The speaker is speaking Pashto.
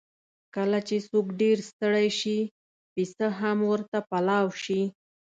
کله چې څوک ډېر ستړی شي، پېڅه هم ورته پلاو شي.